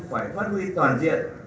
phải phát huy toàn diện